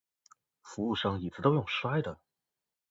服务生椅子都用摔的